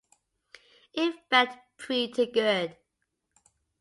It felt pretty good.